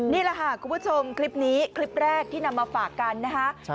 นี่แหละค่ะคุณผู้ชมคลิปนี้คลิปแรกที่นำมาฝากกันนะคะ